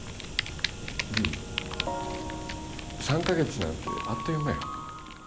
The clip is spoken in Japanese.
３か月なんてあっという間や。